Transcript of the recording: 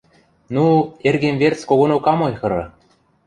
– Ну, эргем верц когонок ам ойхыры.